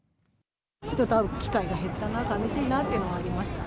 人と会う機会が減ったな、さみしいなっていうのはありました。